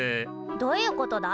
どういうことだ？